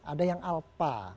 ada yang alpa